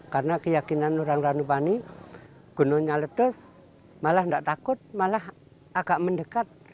karena keyakinan orang ranupani gunungnya ledus malah tak takut malah agak mendekat